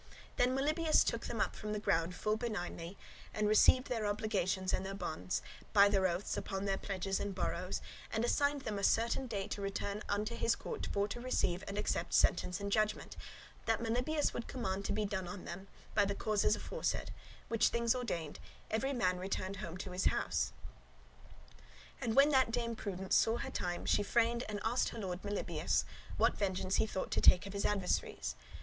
Then Melibœus took them up from the ground full benignly, and received their obligations and their bonds, by their oaths upon their pledges and borrows, [sureties] and assigned them a certain day to return unto his court for to receive and accept sentence and judgement, that Melibœus would command to be done on them, by the causes aforesaid; which things ordained, every man returned home to his house. And when that Dame Prudence saw her time she freined [inquired] and asked her lord Melibœus, what vengeance he thought to take of his adversaries.